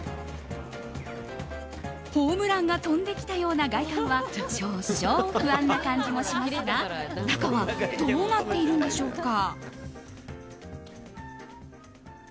ホームランが飛んできたような外観は少々不安な感じもしますが中はどうなっているんでしょうか。